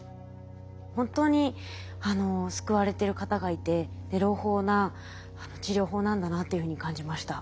本当に救われてる方がいて朗報な治療法なんだなというふうに感じました。